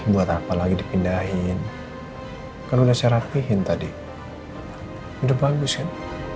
buat apa lagi dipindahin kan udah saya rapihin tadi udah bagus kan